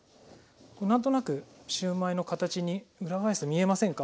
これ何となくシューマイの形に裏返すと見えませんか？